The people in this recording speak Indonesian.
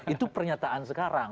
itu pernyataan sekarang